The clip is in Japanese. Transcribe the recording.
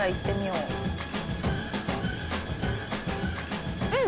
うん！